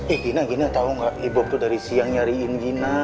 eh gina gina tau gak ibob tuh dari siang nyariin gina